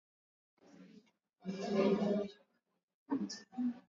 Serikali ya Rwanda vile vile imedai kwamba watu hao wawili waliasilishwa